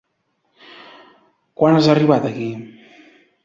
Quan has arribat aquí?